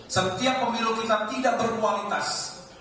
setiap pemilu kita tidak berkualitas